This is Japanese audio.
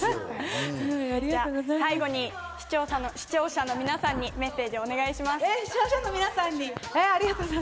最後に視聴者の皆さんにメッセージをお願いします。